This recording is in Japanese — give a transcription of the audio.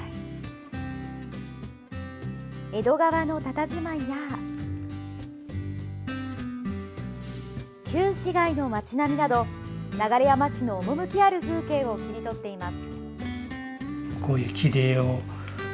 江戸川のたたずまいや旧市街の街並みなど流山市の趣ある風景を切り取っています。